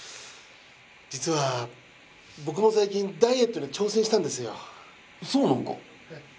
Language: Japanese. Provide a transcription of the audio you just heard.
実は僕も最近ダイエットに挑戦したんですよそうなんか？